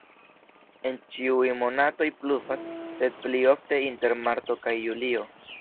En ĉiuj monatoj pluvas, sed pli ofte inter marto kaj julio.